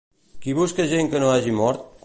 Qui busca gent que no hagi mort?